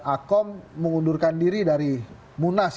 akom mengundurkan diri dari munas